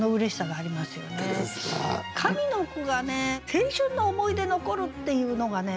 上の句がね「青春の思い出残る」っていうのがね